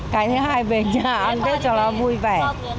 cái thứ hai về nhà ăn cho nó vui vẻ